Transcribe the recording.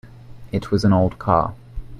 It was an old car.